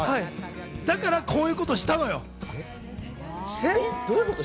だからこういうことをしたのよ。